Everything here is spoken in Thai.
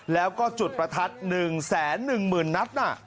แล้วก็จุดประทัด๑แสน๑หมื่นนัทนะ